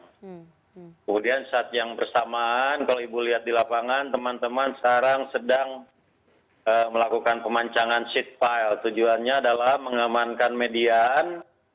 kemudian saat yang bersamaan kalau ibu lihat di lapangan teman teman sekarang sedang melakukan pemancangan seat pile tujuannya adalah mengamankan median